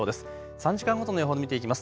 ３時間ごとの予報、見ていきます。